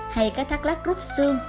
hay cá thác lát rút xương